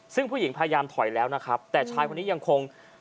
ซึ่งผู้หญิงพยายามถอยแล้วนะครับแต่ชายคนนี้ยังคง